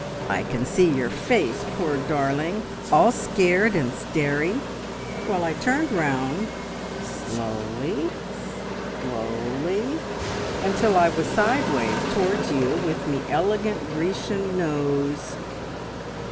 I can see your face, poor darling! All scared and starey, while I turned round s lowly, s lowly, until I was sideways towards you, with me elegant Grecian nose..."